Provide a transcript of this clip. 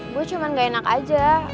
gue cuman gak enak aja